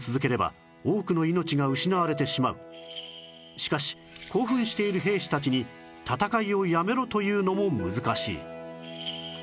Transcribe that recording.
しかし興奮している兵士たちに戦いをやめろというのも難しい